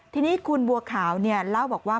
ทีนี้คุณบัวขาวเล่าบอกว่า